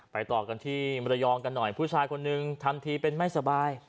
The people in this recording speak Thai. ต่อกันที่มรยองกันหน่อยผู้ชายคนหนึ่งทำทีเป็นไม่สบาย